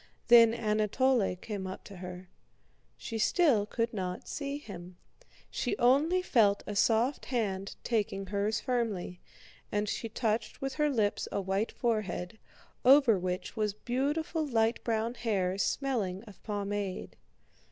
Then Anatole came up to her. She still could not see him. She only felt a soft hand taking hers firmly, and she touched with her lips a white forehead, over which was beautiful light brown hair smelling of pomade.